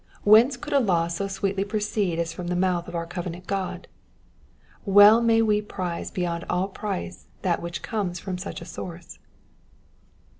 Whence could a law so sweetly proceed as from the mouth of our covenant God ? Well may we prize beyond all price that which comes from such a source.